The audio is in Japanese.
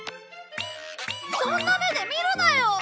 そんな目で見るなよ！